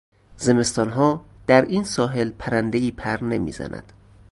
زمستانها در این ساحل پرندهای پر نمیزند.